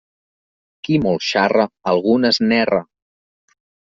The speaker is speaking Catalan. Qui molt xarra, algunes n'erra.